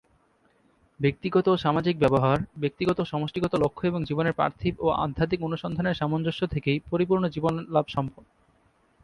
ব্যক্তিগত ও সামাজিক ব্যবহার, ব্যক্তিগত ও সমষ্টিগত লক্ষ্য এবং জীবনের পার্থিব ও আধ্যাত্মিক অনুসন্ধানের সামঞ্জস্য থেকেই পরিপূর্ণ জীবন লাভ সম্ভব।